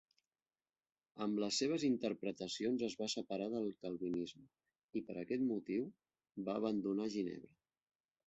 Amb les seves interpretacions es va separar del calvinisme i, per aquest motiu, va abandonar Ginebra.